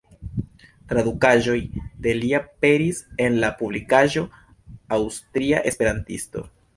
Tradukaĵoj de li aperis en la publikaĵo "Aŭstria Esperantisto".